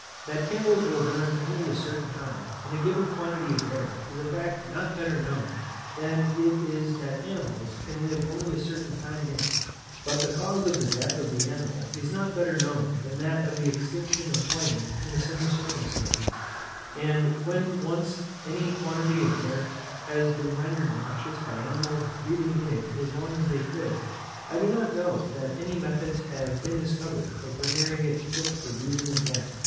_ That candles will burn only a certain time, in a given quantity of air is a fact not better known, than it is that animals can live only a certain time in it; but the cause of the death of the animal is not better known than that of the extinction of flame in the same circumstances; and when once any quantity of air has been rendered noxious by animals breathing in it as long as they could, I do not know that any methods have been discovered of rendering it fit for breathing again.